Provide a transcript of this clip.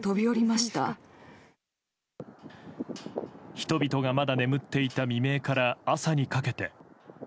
人々がまだ眠っていた未明から朝にかけて。